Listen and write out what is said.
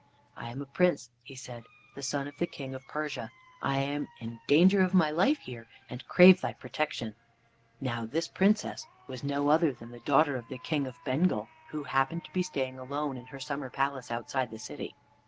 "I am a Prince," he said, "the son of the King of Persia. I am in danger of my life here, and crave thy protection." Now this Princess was no other than the daughter of the King of Bengal, who happened to be staying alone in her summer palace outside the city.